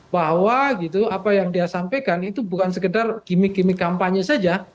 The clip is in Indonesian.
bahwa apa yang dia sampaikan itu bukan sekedar gimmick gimmick kampanye saja